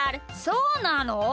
そうなの？